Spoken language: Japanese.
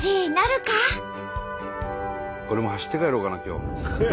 俺も走って帰ろうかな今日。